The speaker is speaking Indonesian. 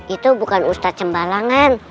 itu bukan ustadz cembalangan